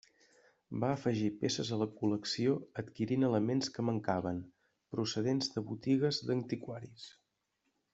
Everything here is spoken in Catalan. Va afegir peces a la col·lecció adquirint elements que mancaven, procedents de botigues d'antiquaris.